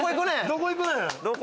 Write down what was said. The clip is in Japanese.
どこ行くねん。